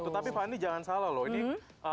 tapi fanny jangan salah loh